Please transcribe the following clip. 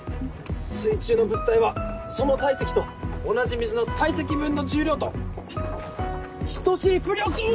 水中の物体はその体積と同じ水の体積分の重量と等しい浮力を受け。